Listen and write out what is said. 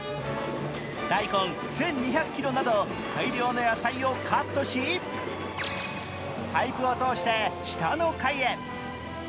大根１２００ｋｇなど大量の野菜をカットし、パイプを通して下の階へ。